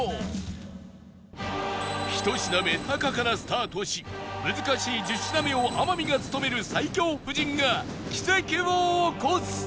１品目タカからスタートし難しい１０品目を天海が務める最強布陣が奇跡を起こす！